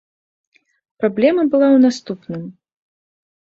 Праблема была ў наступным.